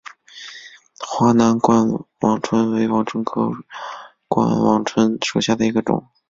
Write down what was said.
华南冠网椿为网蝽科冠网蝽属下的一个种。